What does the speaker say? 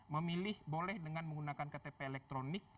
memilih boleh dengan menggunakan ktp elektronik